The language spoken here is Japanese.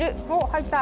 入った？